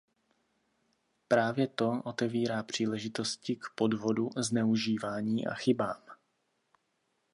Právě to otevírá příležitosti k podvodu, zneužívání a chybám.